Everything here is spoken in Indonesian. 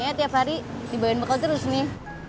kayaknya tiap hari dibayun bakal terus nih